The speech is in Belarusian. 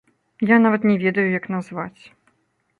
Я нават не ведаю, як назваць.